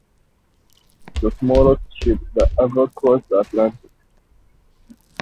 The Smallest Ship that Ever Crossed the Atlantic!